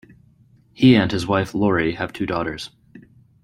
He and his wife, Lori, have two daughters.